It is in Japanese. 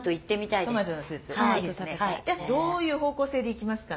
じゃあどういう方向性でいきますかね？